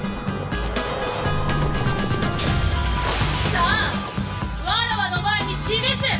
さあわらわの前に示せ！